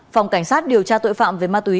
phòng cảnh sát điều tra tội phạm về ma túy